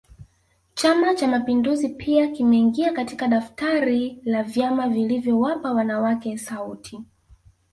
Chama Cha mapinduzi pia kimeingia katika daftari la vyama vilivyowapa wanawake sauti